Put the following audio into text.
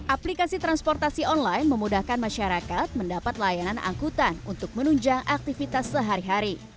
aplikasi transportasi online memudahkan masyarakat mendapat layanan angkutan untuk menunjang aktivitas sehari hari